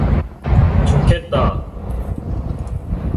좋겠다.